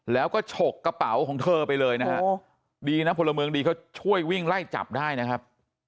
แล้วก็ฉกกระเป๋าของเธอไปเลยนะฮะดีนะพลเมืองดีเขาช่วยวิ่งไล่จับได้นะครับ